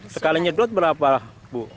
sekali nyedot berapa bu